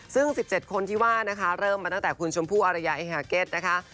ซึ่ง๑๗คนที่ว่านะคะเริ่มมาตั้งแต่คุณชมพู่อารยาเอฮาเก็ตนะคะ